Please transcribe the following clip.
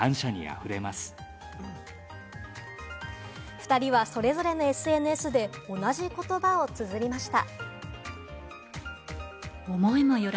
２人はそれぞれのＳＮＳで、同じ言葉をつづりました。